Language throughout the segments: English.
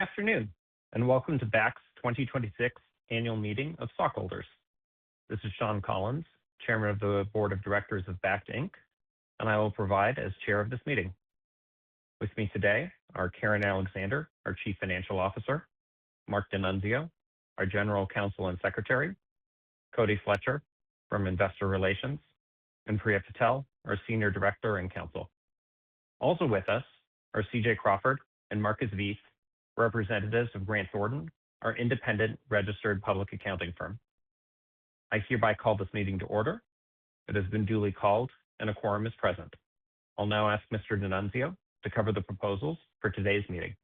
Afternoon, welcome to Bakkt's 2026 Annual Meeting of Stockholders. This is Sean Collins, Chairman of the Board of Directors of Bakkt, Inc. I will provide as chair of this meeting. With me today are Karen Alexander, our Chief Financial Officer, Marc D'Annunzio, our General Counsel and Secretary, Cody Fletcher from Investor Relations, and Priya Patel, our Senior Director and Counsel. Also with us are CJ Crawford and Markus Veith, representatives of Grant Thornton, our independent registered public accounting firm. I hereby call this meeting to order. It has been duly called and a quorum is present. I will now ask Mr. D'Annunzio to cover the proposals for today's meeting.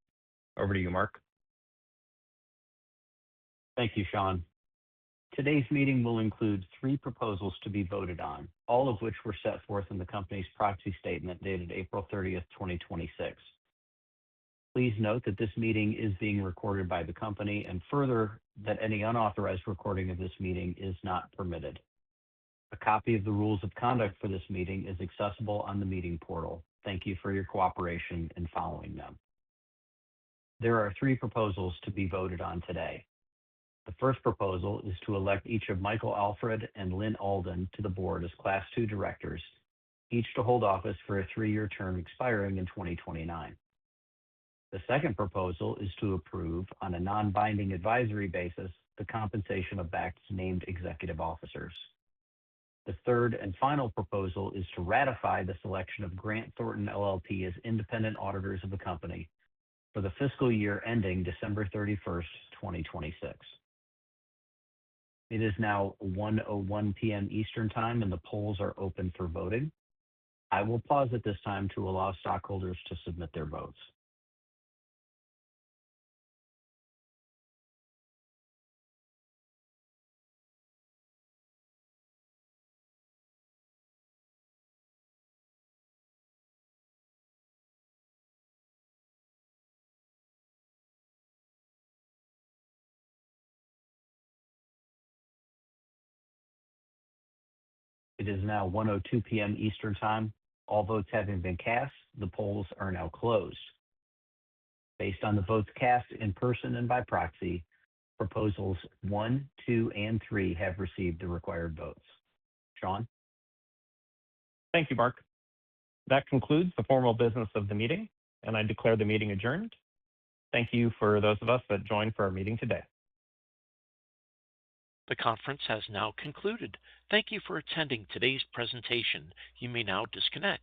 Over to you, Marc. Thank you, Sean. Today's meeting will include three proposals to be voted on, all of which were set forth in the company's proxy statement dated April 30th, 2026. Please note that this meeting is being recorded by the company and further, that any unauthorized recording of this meeting is not permitted. A copy of the rules of conduct for this meeting is accessible on the meeting portal. Thank you for your cooperation in following them. There are three proposals to be voted on today. The first proposal is to elect each of Mike Alfred and Lyn Alden to the board as class 2 directors, each to hold office for a three-year term expiring in 2029. The second proposal is to approve, on a non-binding advisory basis, the compensation of Bakkt's named executive officers. The third and final proposal is to ratify the selection of Grant Thornton LLP as independent auditors of the company for the fiscal year ending December 31st, 2026. It is now 1:01 P.M. Eastern Time. The polls are open for voting. I will pause at this time to allow stockholders to submit their votes. It is now 1:02 P.M. Eastern Time. All votes having been cast, the polls are now closed. Based on the votes cast in person and by proxy, proposals one, two, and three have received the required votes. Sean? Thank you, Marc. That concludes the formal business of the meeting. I declare the meeting adjourned. Thank you for those of us that joined for our meeting today. The conference has now concluded. Thank you for attending today's presentation. You may now disconnect.